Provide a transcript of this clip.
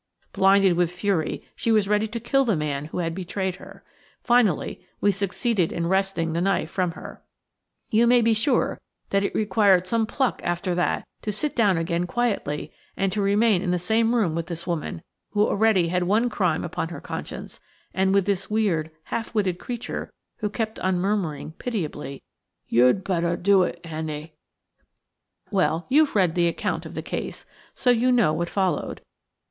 Blinded with fury, she was ready to kill the man who had betrayed her. Finally, we succeeded in wresting the knife from her. You may be sure that it required some pluck after that to sit down again quietly and to remain in the same room with this woman, who already had one crime upon her conscience, and with this weird, half witted creature who kept on murmuring pitiably: "You'd better do it, Annie–" Well, you've read the account of the case, so you know what followed.